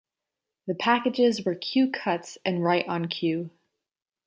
The packages were Q Cuts and Right On Q.